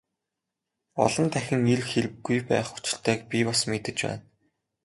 Олон дахин ирэх хэрэггүй байх учиртайг би бас мэдэж байна.